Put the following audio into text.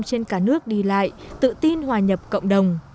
trên cả nước đi lại tự tin hòa nhập cộng đồng